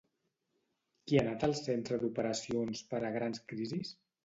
Qui ha anat al Centre d'Operacions per a Grans Crisis?